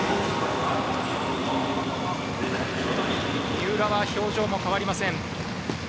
三浦は表情が変わりません。